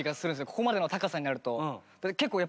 ここまでの高さになると。